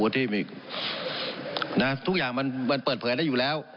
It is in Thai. ที่มีทุกอย่างมันเปิดเผยได้อยู่แล้ว